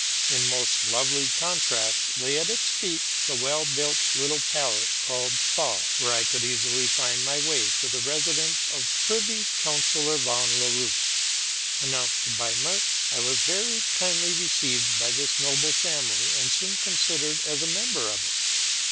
In most lovely contrast lay at its feet the well built little place called Thal, where I could easily find my way to the residence of Privy Councillor von Laroche. Announced by Merck, I was very kindly received by this noble family, and soon considered as a member of it.